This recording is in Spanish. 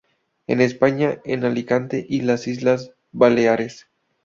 En España en Alicante y las Islas Baleares.